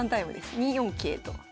２四桂と。